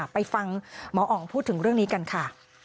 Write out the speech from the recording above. ไปฟังหมออ๋องพูดถึงเรื่องนี้กันค่ะ